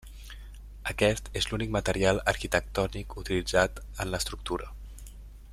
Aquest és l'únic material arquitectònic utilitzat en l’estructura.